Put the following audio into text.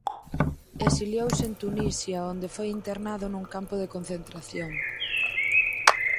Exiliouse en Tunisia onde foi internado nun campo de concentración.